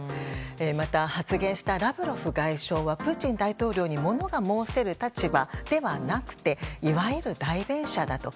また、発言したラブロフ外相はプーチン大統領に物が申せる立場ではなくていわゆる代弁者だと。